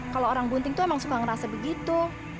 kalau orang bunting tuh emang suka ngerasa begitu